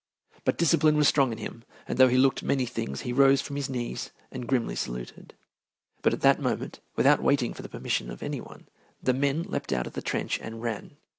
But discipline was strong in him, and though he looked many things, he rose from his knees and grimly saluted. But at that moment, without waiting for the permission of any one, the men leaped out of the trench and ran.